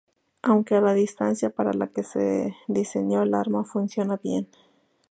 Aunque a la distancia para la que se diseñó el arma, funciona bien.